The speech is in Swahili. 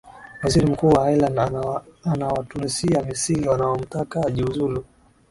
waziri mkuu wa ireland anawatunisia misili wanaomtaka ajiuzulu